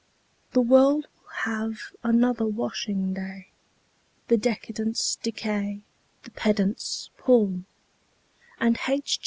The world will have another washing day; The decadents decay; the pedants pall; And H.